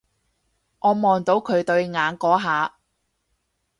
我望到佢對眼嗰下